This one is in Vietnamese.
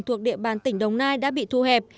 thuộc địa bàn tỉnh đồng nai đã bị thu hẹp